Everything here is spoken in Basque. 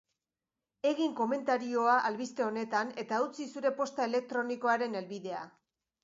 Egin komentarioa albiste honetan eta utzi zure posta elektronikoaren helbidea.